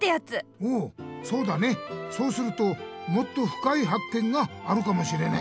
おおそうだねそうするともっとふかいはっけんがあるかもしれない。